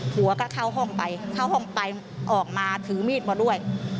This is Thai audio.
ผัวก็เข้าห้องไปออกมาถือมีดมาด้วย